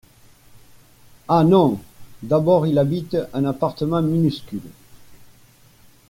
Ah non ! D’abord il habite un appartement minuscule